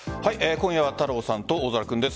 今夜は太郎さんと大空君です。